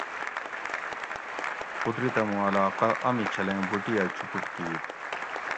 قدرتہ موں علاقہ امی چھلیں بوٹی ھہ چوپوٹ کِیت